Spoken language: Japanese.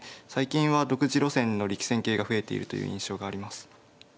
最近は独自路線の力戦型が増えているという印象があります。